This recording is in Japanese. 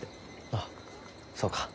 ああそうか。